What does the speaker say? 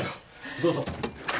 どうぞ。